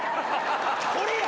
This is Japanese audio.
これや！